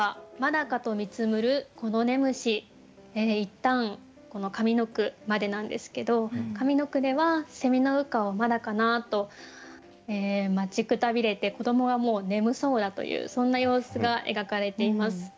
いったんこの上の句までなんですけど上の句ではの羽化はまだかなと待ちくたびれて子どもはもう眠そうだというそんな様子が描かれています。